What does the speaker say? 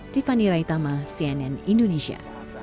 tiffany raitama cnn indonesia